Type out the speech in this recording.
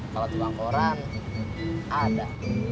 kalau tukang al quran ada